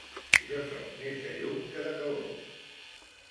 Jo soc més de llum que de calor.